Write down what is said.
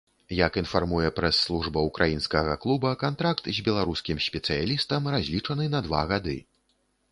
Як інфармуе прэс-служба ўкраінскага клуба, кантракт з беларускім спецыялістам разлічаны на два гады.